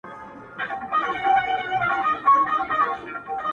o پر مخ وريځ؛